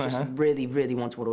saya benar benar ingin mengembangkan